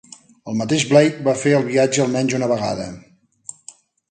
El mateix Blake va fer el viatge al menys una vegada.